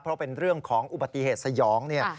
เพราะเป็นเรื่องของอุบัติเหตุสยองเนี่ย